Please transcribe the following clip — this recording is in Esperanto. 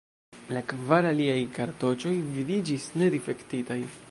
La kvar aliaj kartoĉoj vidiĝis ne difektitaj.